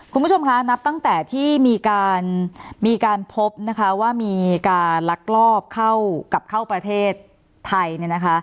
คุณผู้ชมคะนับตั้งแต่ที่มีการพบนะคะว่ามีการลักลอบเข้ากลับเข้าประเทศไทยเนี่ยนะคะ